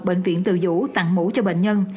bệnh viện từ dũ tặng mũ cho bệnh nhân